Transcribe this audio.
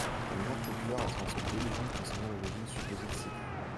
La mémoire populaire a transmis deux légendes concernant l'origine supposée de ces croix.